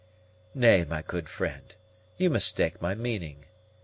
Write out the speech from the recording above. "Nay, my good friend, you mistake my meaning.